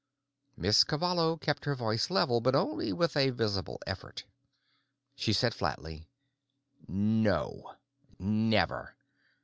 Miss Cavallo kept her voice level, but only with a visible effort. She said flatly, "No. Never.